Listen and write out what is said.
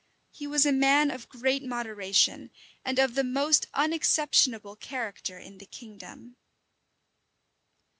He was a man of great moderation, and of the most unexceptionable character in the kingdom.